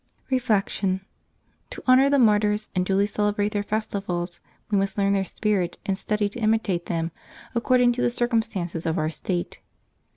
Reflection. — To honor the martyrs and duly celebrate their festivals, we must learn their spirit and study to imitate them according to the circumstances of our state.